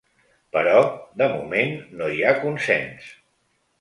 Però, de moment, no hi ha consens.